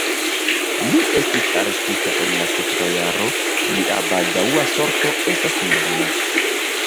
Li estis arestita en la sekva jaro, lia baldaŭa sorto estas nebula.